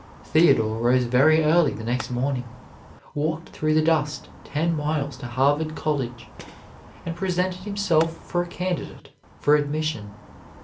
Theodore rose very early the next morning, walked through the dust ten miles to Harvard College, and presented himself for a candidate for admission.